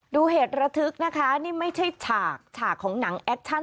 ดูเหตุระทึกนะคะนี่ไม่ใช่ฉากฉากของหนังแอคชั่น